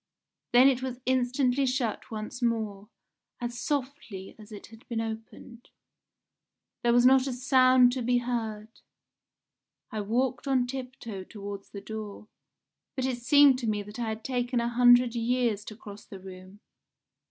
Then it was instantly shut once more, as softly as it had been opened. There was not a sound to be heard. I walked on tiptoe towards the door, but it seemed to me that I had taken a hundred years to cross the room.